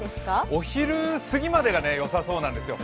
お昼すぎまでがよさそうなんですよ。